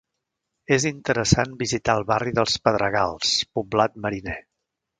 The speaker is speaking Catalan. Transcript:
És interessant visitar el barri dels Pedregals, poblat mariner.